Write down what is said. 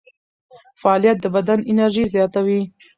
فعالیت د بدن انرژي زیاتوي.